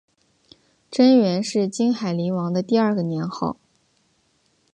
贞元是金海陵王的第二个年号。